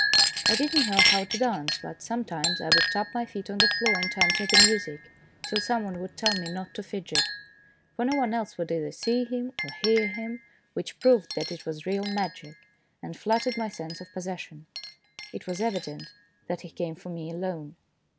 I did not know how to dance, but sometimes I would tap my feet on the floor in time to the music, till some one would tell me not to fidget. For no one else would either see him or hear him, which proved that it was real magic, and flattered my sense of pos session. It was evident that he came for me alone.